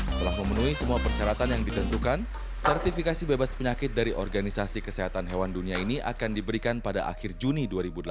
setelah memenuhi semua persyaratan yang ditentukan sertifikasi bebas penyakit dari organisasi kesehatan hewan dunia ini akan diberikan pada akhir juni dua ribu delapan belas